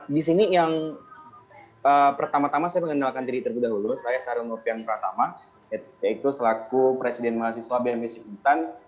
di sini yang pertama tama saya mengenalkan diri terlebih dahulu saya sarung nurfian pratama yaitu selaku presiden mahasiswa bms intan